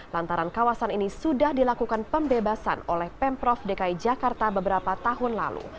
lantaran kawasan ini sudah dilakukan pembebasan oleh pemprov dki jakarta beberapa tahun lalu